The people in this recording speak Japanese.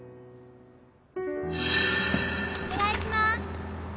お願いします！